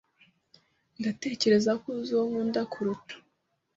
Ndatekereza ko uzi uwo nkunda kuruta.